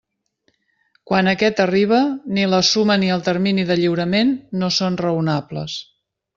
Quan aquest arriba, ni la suma ni el termini de lliurament no són raonables.